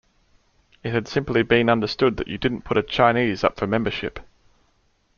It had simply been understood that you didn't put a Chinese up for membership".